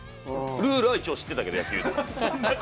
ルールは一応知ってたけど。